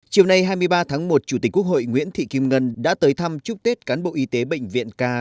chiều nay hai mươi ba tháng một chủ tịch quốc hội nguyễn thị kim ngân đã tới thăm chúc tết cán bộ y tế bệnh viện k